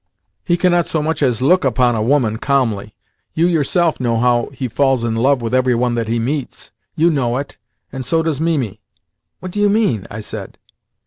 He cannot so much as look upon a woman calmly. You yourself know how he falls in love with every one that he meets. You know it, and so does Mimi." "What do you mean?" I said.